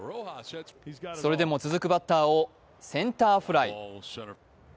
それでも、続くバッターをセンターフライ。